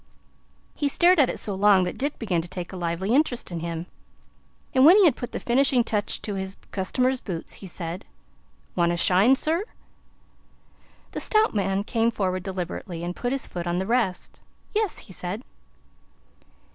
He stared at it so long that Dick began to take a lively interest in him, and when he had put the finishing touch to his customer's boots, he said: "Want a shine, sir?" The stout man came forward deliberately and put his foot on the rest. "Yes," he said.